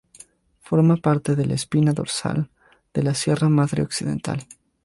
Forma parte de la "espina dorsal" de la Sierra Madre Occidental.